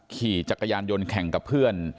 ขี่จักรยานยนต์แข่งกับเพื่อน